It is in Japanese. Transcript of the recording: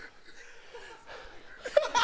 ハハハハ！